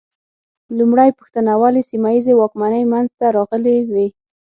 لومړۍ پوښتنه: ولې سیمه ییزې واکمنۍ منځ ته راغلې وې؟